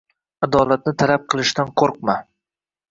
adolatni talab qilishdan qo‘rqma!